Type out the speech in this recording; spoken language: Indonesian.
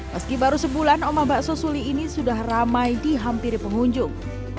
meski baru sebulan omah bakso suli ini sudah ramai di hampir pengunjung